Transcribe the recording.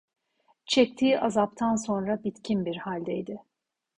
Çektiği azaptan sonra bitkin bir halde idi.